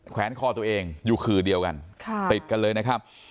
แวนคอตัวเองอยู่ขื่อเดียวกันติดกันเลยนะครับ